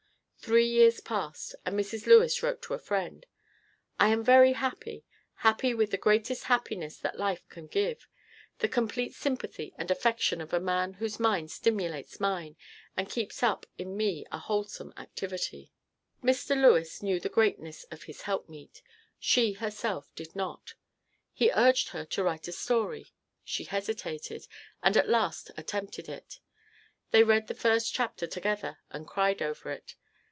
Three years passed, and Mrs. Lewes wrote to a friend: "I am very happy; happy with the greatest happiness that life can give the complete sympathy and affection of a man whose mind stimulates mine and keeps up in me a wholesome activity." Mr. Lewes knew the greatness of his helpmeet. She herself did not. He urged her to write a story; she hesitated, and at last attempted it. They read the first chapter together and cried over it.